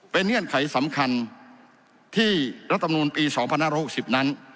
เป็นเงื่อนไขสำคัญที่รัฐบุญปีสองพันห้าร้อยหกสิบนั้น